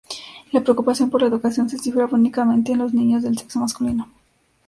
La preocupación por la educación se cifraba únicamente en los niños del sexo masculino.